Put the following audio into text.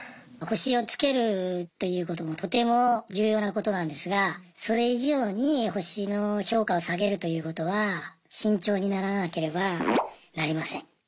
星をつけるということもとても重要なことなんですがそれ以上に星の評価を下げるということは慎重にならなければなりません。